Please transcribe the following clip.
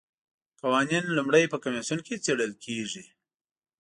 قوانین لومړی په کمیسیون کې څیړل کیږي.